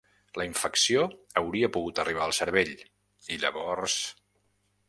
La infecció hauria pogut arribar al cervell, i llavors...